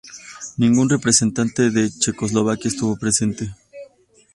Ningún representante de Checoslovaquia estuvo presente.